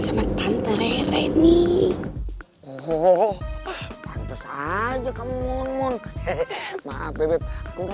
sama tante rene nih oh pantas aja kamu mohon mohon hehehe maaf aku nggak tahu kamu kenapa nelfon aku